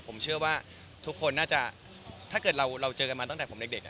ผมเชื่อว่าทุกคนน่าจะถ้าเกิดเราเจอกันมาตั้งแต่ผมเด็ก